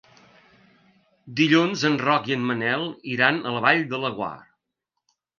Dilluns en Roc i en Manel iran a la Vall de Laguar.